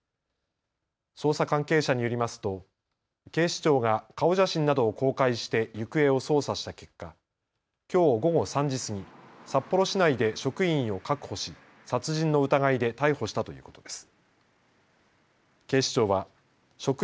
捜査関係者によりますと警視庁が顔写真などを公開して行方を捜査した結果、きょう午後３時過ぎ、札幌市内で職員を確保し殺人の疑いで逮捕したということです。